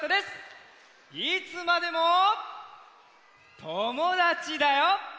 いつまでもともだちだよ。